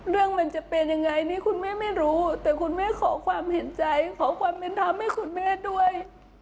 เรื่องมันจะเป็นยังไงนี่คุณแม่ไม่รู้แต่คุณแม่ขอความเห็นใจขอความเป็นธรรมให้คุณแม่ด้วย